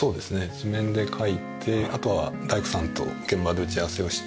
図面で描いてあとは大工さんと現場で打ち合わせをして。